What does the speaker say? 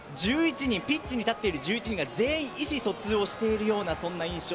ピッチに立っている１１人全員が意思疎通をしているような印象。